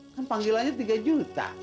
kan panggilannya tiga juta